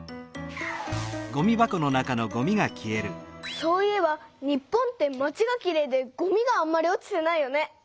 そういえば日本って町がきれいでごみがあんまり落ちてないよね。